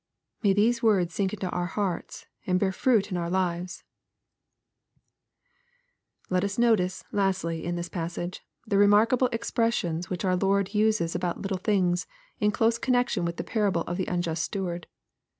'' May these words sink into our hearts and bear fruit in our lives 1 Let us notice, lastly, in this passage, the remarkable expressions which our Lord uses about little things, in close connection with the parable of the unjust steward.